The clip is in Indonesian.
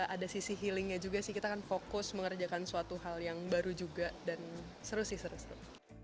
ada sisi healingnya juga sih kita kan fokus mengerjakan suatu hal yang baru juga dan seru sih seru seru